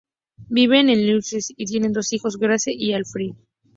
Viven en Leicestershire y tienen dos hijos, Grace y Alfie.